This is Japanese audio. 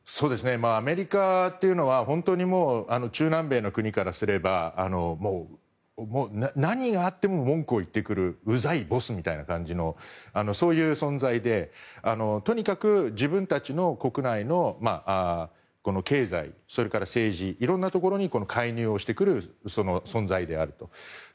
アメリカというのは本当に中南米の国からすれば何があっても文句を言ってくるうざいボスみたいな感じのそういう存在でとにかく自分たちの国内の経済、それから政治いろいろなところに介入をしてくる存在であると。